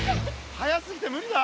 速すぎて無理だ。